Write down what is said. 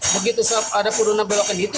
begitu saya ada turunan belokan itu